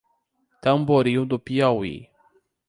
Tamboril do Piauí